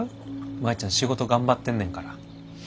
舞ちゃん仕事頑張ってんねんから。